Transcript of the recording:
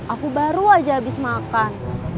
aku baru aja habis makan